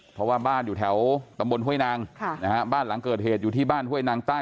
เพราะว่าบ้านอยู่แถวตำบลห้วยนางบ้านหลังเกิดเหตุอยู่ที่บ้านห้วยนางใต้